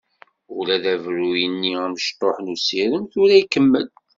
Ula d abruy-nni amecṭuḥ n usirem tura ikemmel.